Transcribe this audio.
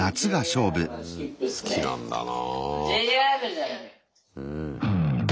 好きなんだな。